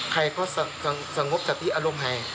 ให้เขาสงบสะติอารมณ์ให้